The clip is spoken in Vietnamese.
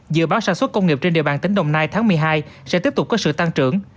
dự báo sản xuất công nghiệp trên địa bàn tỉnh đồng nai tháng một mươi hai sẽ tiếp tục có sự tăng trưởng